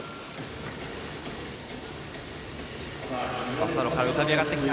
バサロから浮かび上がってきた。